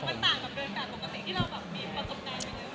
มันต่างกับเดินการปกติที่เรามีประสบการณ์อย่างเงี้ยครับ